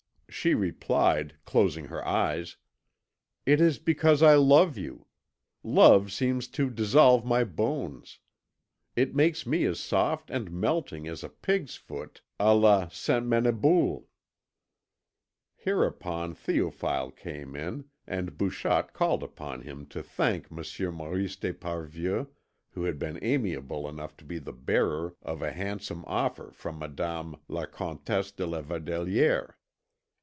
She replied, closing her eyes: "It is because I love you. Love seems to dissolve my bones; it makes me as soft and melting as a pig's foot à la Ste. Menebould." Hereupon Théophile came in, and Bouchotte called upon him to thank Monsieur Maurice d'Esparvieu, who had been amiable enough to be the bearer of a handsome offer from Madame la Comtesse de la Verdelière.